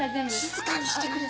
静かにしてくれ！